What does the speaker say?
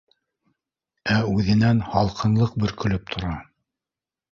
Ә үҙенән һалҡынлыҡ бөркөлөп тора